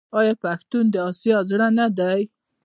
آیا پښتون د اسیا زړه نه دی؟